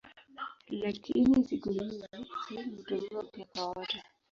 Lakini siku hizi "sayyid" hutumiwa pia kwa wote.